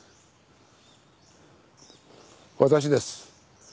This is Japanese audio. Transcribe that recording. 私です。